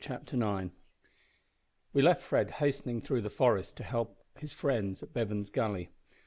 CHAPTER NINE. We left Fred hastening through the forest to the help of his friends at Bevan's Gully.